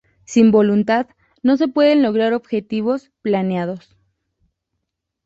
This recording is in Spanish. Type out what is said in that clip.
Sin voluntad no se pueden lograr objetivos planeados.